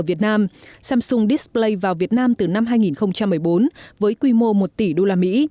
tại việt nam samsung display vào việt nam từ năm hai nghìn một mươi bốn với quy mô một tỷ đô la mỹ